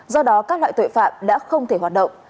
do đó các loại tội phạm đã không thể hoạt động